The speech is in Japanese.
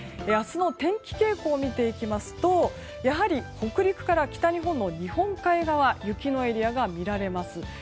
明日の天気傾向を見ていきますとやはり北陸から北日本の日本海側に雪のエリアが見られます。